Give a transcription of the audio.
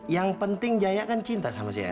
yang penting jaya kan cinta sama si ella